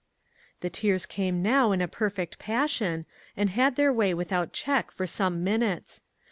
The tears came now in a perfect passion, and had their way without check for some minutes.